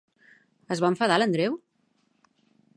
Es va enfadar l'Andreu?